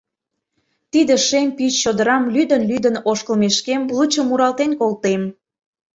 Тиде шем пич чодырам лӱдын-лӱдын ошкылмешкем, Лучо муралтен колтем.